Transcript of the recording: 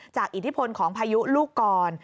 อิทธิพลของพายุลูกกร